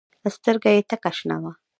سترګه يې تکه شنه وه.